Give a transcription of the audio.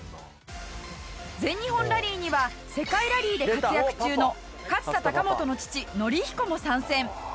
全日本ラリーには世界ラリーで活躍中の勝田貴元の父範彦も参戦。